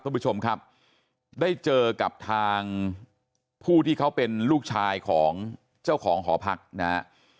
คุณผู้ชมครับได้เจอกับทางผู้ที่เขาเป็นลูกชายของเจ้าของหอพักนะฮะ